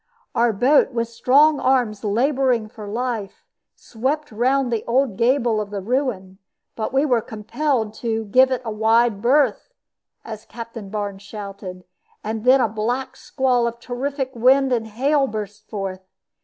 Our boat, with strong arms laboring for life, swept round the old gable of the ruin; but we were compelled to "give it wide berth," as Captain Barnes shouted; and then a black squall of terrific wind and hail burst forth.